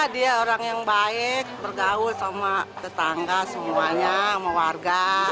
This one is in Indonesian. dia orang yang baik bergaul sama tetangga semuanya sama warga